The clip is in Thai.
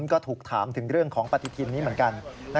ก็ถูกถามถึงเรื่องของปฏิทินนี้เหมือนกัน